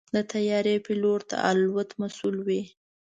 د طیارې پيلوټ د الوت مسؤل وي.